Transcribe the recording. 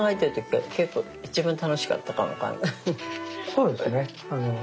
そうですね。